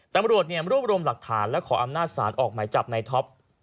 ตำรวจรวบรวมหลักฐานและขออำนาจศาลออกหมายจับในท็อป